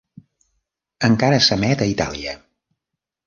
Encara s'emet a Itàlia.